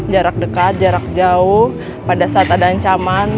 jarak dekat jarak jauh pada saat ada ancaman